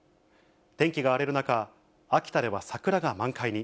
天気が荒れる中、秋田では桜が満開に。